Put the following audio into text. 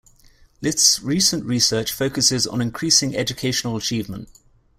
List's recent research focuses on increasing educational achievement.